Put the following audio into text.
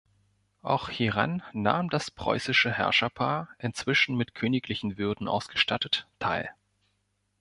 Auch hieran nahm das preußische Herrscherpaar, inzwischen mit königlichen Würden ausgestattet, teil.